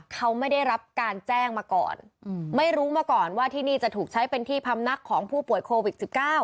เขาไม่ได้รับการแจ้งมาก่อนไม่รู้มาก่อนว่าที่นี่จะถูกใช้เป็นที่พำนักของผู้ป่วยโควิด๑๙